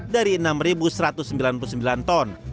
dari enam satu ratus sembilan puluh sembilan ton